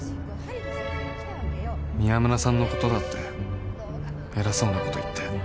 宮村さんのことだって偉そうなこと言って